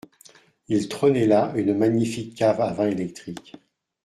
Il trônait là une magnifique cave à vin électrique